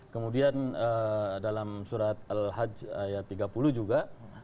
kemudian dalam surat al hajj ayat tiga puluh juga